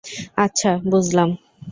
আচ্ছা, বুঝলাম!